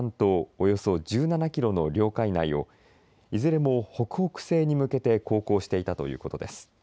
およそ１７キロの領海内をいずれも北北西に向けて航行していたということです。